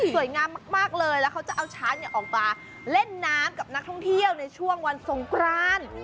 สวยงามมากเลยแล้วเขาจะเอาช้างออกมาเล่นน้ำกับนักท่องเที่ยวในช่วงวันสงกราน